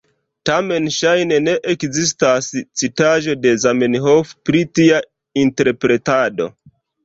Tamen ŝajne ne ekzistas citaĵo de Zamenhof pri tia interpretado.